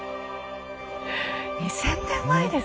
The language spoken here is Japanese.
２，０００年前です！